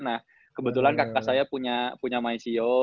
nah kebetulan kakak saya punya maisio